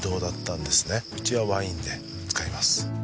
うちはワインで使います。